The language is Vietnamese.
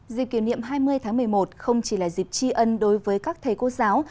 dịp kỷ niệm hai mươi tháng một mươi một không chỉ là dịp tri ân đối với các thầy cô giáo